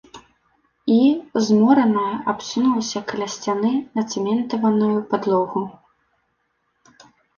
І, змораная, абсунулася каля сцяны на цэментаваную падлогу.